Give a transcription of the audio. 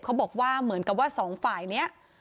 เขาบอกว่าเหมือนกับว่า๒ฝ่าย